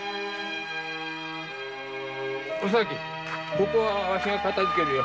ここはわしが片づけるよ。